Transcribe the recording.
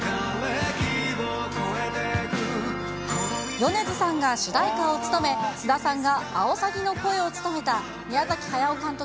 米津さんが主題歌を務め、菅田さんが青サギの声を務めた宮崎駿監督